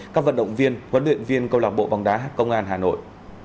các vận động viên huấn luyện viên công lạc bộ bóng đá hát công an hà nội